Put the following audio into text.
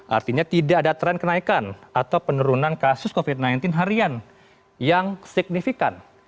artinya tidak ada tren kenaikan atau penurunan kasus covid sembilan belas harian yang signifikan